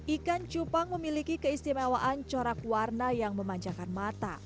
ikan cupang memiliki keistimewaan corak warna yang memanjakan mata